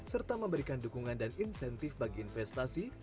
serta memberikan dukungan dan insentif bagi investasi